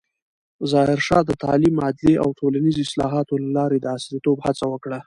ظاهرشاه د تعلیم، عدلیې او ټولنیزو اصلاحاتو له لارې د عصریتوب هڅه وکړه.